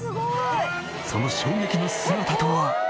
その衝撃の姿とは一体！